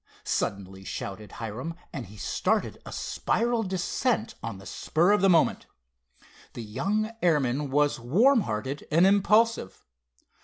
suddenly shouted Hiram, and he started a spiral descent, on the spur of the moment. The young airman was warm hearted and impulsive.